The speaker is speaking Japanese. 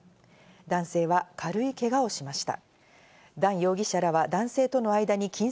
男性は軽いけがをしました。